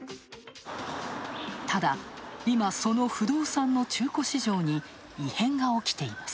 ただ、今その不動産の中古市場に異変が起きています。